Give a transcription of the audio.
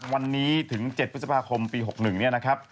วันนี้ถึง๗พฤษภาคมปี๖๑เนี่ยนะครับ